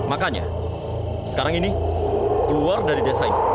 aku bridal disini